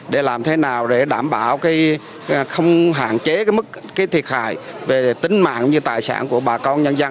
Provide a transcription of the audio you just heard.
để làm thế nào để đảm bảo không hạn chế mức thiệt hại về tính mạng và tài sản của bà con nhân dân